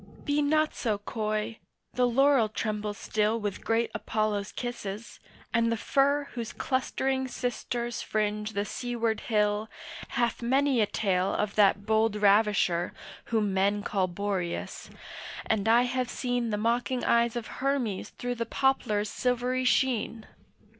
Be not so coy, the laurel trembles still With great Apollo's kisses, and the fir Whose clustering sisters fringe the seaward hill Hath many a tale of that bold ravisher Whom men call Boreas, and I have seen The mocking eyes of Hermes through the poplar's silvery sheen.